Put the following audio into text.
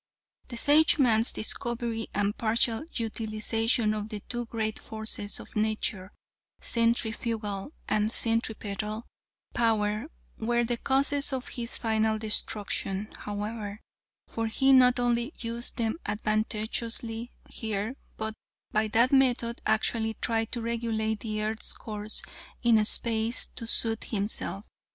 "The Sageman's discovery and partial utilization of the two great forces of nature, centrifugal and centripetal power, were the causes of his final destruction, however, for he not only used them advantageously here, but by that method actually tried to regulate the earth's course in space to suit himself.